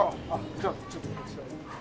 じゃあちょっとこちらへ。